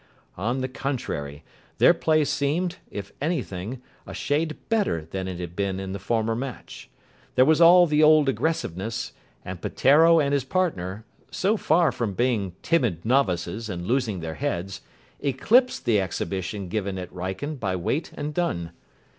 On the contrary, their play seemed, if anything, a shade better than it had been in the former match. There was all the old aggressiveness, and Peteiro and his partner, so far from being timid novices and losing their heads, eclipsed the exhibition given at Wrykyn by Waite and Dunn.